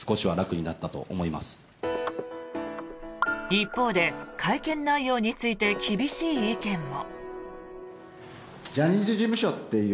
一方で会見内容について厳しい意見も。